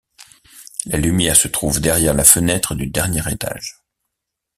La lumière se trouve derrière la fenêtre du dernier étage.